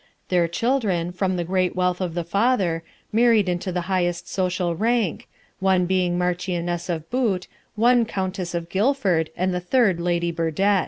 Their children, from the great wealth of the father, married into the highest social rank, one being Marchioness of Bute, one countess of Guilford, and the third Lady Burdett.